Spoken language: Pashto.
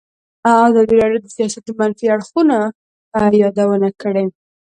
ازادي راډیو د سیاست د منفي اړخونو یادونه کړې.